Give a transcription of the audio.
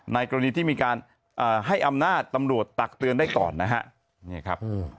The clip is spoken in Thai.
กรณีที่มีการให้อำนาจตำรวจตักเตือนได้ก่อนนะฮะนี่ครับ